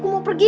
aku mau pergi